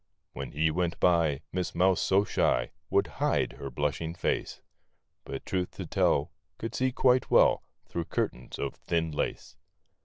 When he went by, Miss Mouse, so shy, Would hide her blush ing face ; But truth to tell Could see quite well Through curtains of thin lace.